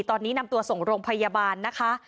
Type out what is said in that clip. ตอนนี้นำตัวส่งโรงพยาบาลนะคะ